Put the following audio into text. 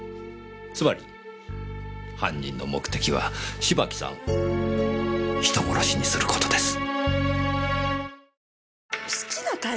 つまり犯人の目的は芝木さんを人殺しにする事です。